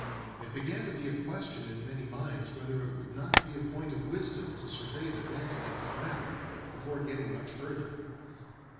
It began to be a question in many minds whether it would not be a point of wisdom 'to survey the vantage of the ground' before getting much further.